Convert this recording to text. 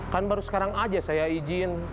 kan baru sekarang aja saya izin